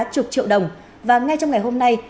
chục triệu đồng và ngay trong ngày hôm nay